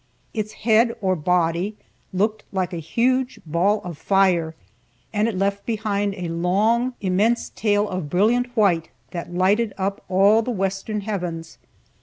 Its head, or body, looked like a huge ball of fire, and it left behind a long, immense tail of brilliant white, that lighted up all the western heavens.